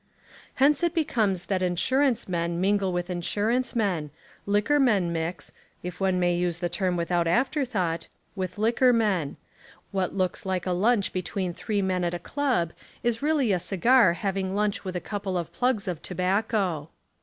Hence It comes that insurance men mingle with Insurance men, liquor men mix, if II Essays and Literary Studies one may use the term without afterthought, with liquor men : what looks like a lunch be tween three men at a club is really a cigar hav ing lunch with a couple of plugs of tobacco.